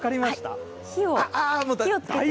火をつけて。